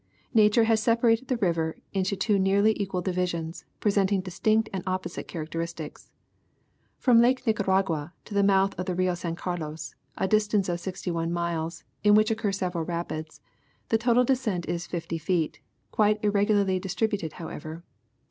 Nature has separated the river into two nearly equal divisions, presenting distinct and opposite characteristics. From Lake Nicaragua to the mouth of the Rio San Carlos, a distance of sixty one miles, in which occur several rapids, the total descent is fifty feet, quite irregularly distributed however.